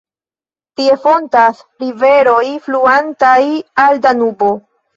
Tie fontas riveroj fluantaj al Danubo.